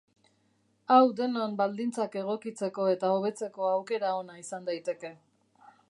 Hau denon baldintzak egokitzeko eta hobetzeko aukera ona izan daiteke.